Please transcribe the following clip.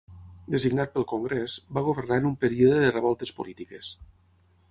Designat pel Congrés, va governar en un període de revoltes polítiques.